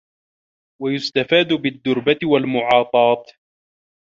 وَيُسْتَفَادَ بِالدُّرْبَةِ وَالْمُعَاطَاةِ